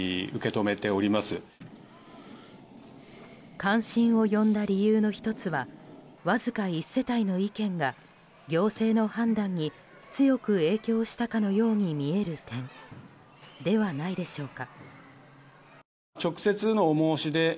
関心を呼んだ理由の１つはわずか１世帯の意見が行政の判断に強く影響したかのように見える点ではないでしょうか。